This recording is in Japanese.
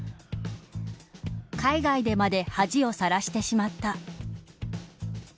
海外でまで恥をさらしてしまった。